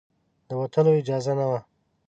د وتلو اجازه نه وه.